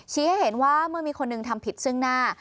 ให้เห็นว่าเมื่อมีคนหนึ่งทำผิดซึ่งหน้า